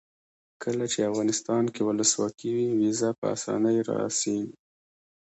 کله چې افغانستان کې ولسواکي وي ویزه په اسانۍ راسیږي.